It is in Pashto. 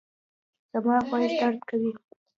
زما غوږ درد کوي